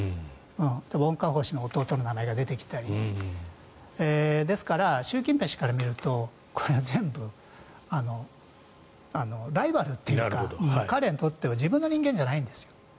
温家宝氏の弟の名前が出てきたりですから習近平氏から見ると全部、ライバルというか彼にとっては自分の人間じゃないんですよ。